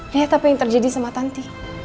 lihat apa yang terjadi sama tante